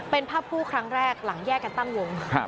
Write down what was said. เป็นภาพคู่ครั้งแรกหลังแยกกันตั้งวง